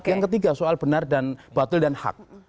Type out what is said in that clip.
yang ketiga soal benar dan batil dan hak